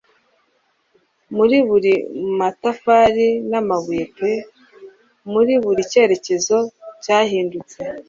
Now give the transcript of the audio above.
Muri buri matafari n'amabuye pe muri buri cyerekezo cyahindutse